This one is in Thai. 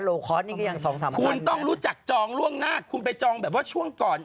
คอร์สนี่ก็ยังสองสามคุณต้องรู้จักจองล่วงหน้าคุณไปจองแบบว่าช่วงก่อน